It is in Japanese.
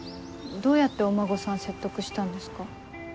どうやってお孫さん説得したんですか？